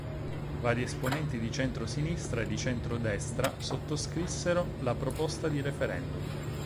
Vari esponenti di centro sinistra e di centro destra sottoscrissero la proposta di referendum.